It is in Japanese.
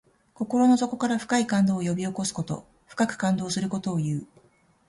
心の底から深い感動を呼び起こすこと。深く感動することをいう。